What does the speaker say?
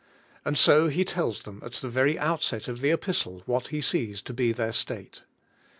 And so he tells them at the very outset of the epistle what he sees to be their state.